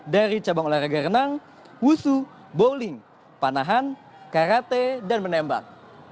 dari cabang olahraga renang wusu bowling panahan karate dan menembak